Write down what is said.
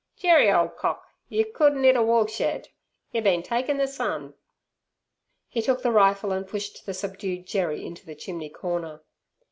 "Jerry, ole cock, yer couldn't 'it a woolshed! Yer been taking ther sun!" He took the rifle and pushed the subdued Jerry into the chimney corner.